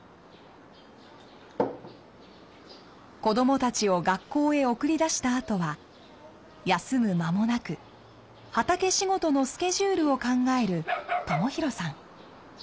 子供たちを学校へ送り出したあとは休む間もなく畑仕事のスケジュールを考える朝洋さん。